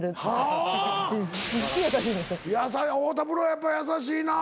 やっぱり優しいな。